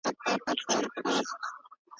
چېري شنې سیمي او پارکونه جوړیږي؟